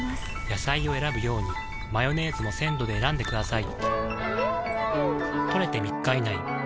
野菜を選ぶようにマヨネーズも鮮度で選んでくださいん！